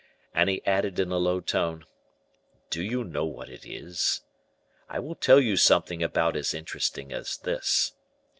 And he added in a low tone, "Do you know what it is? I will tell you something about as interesting as this.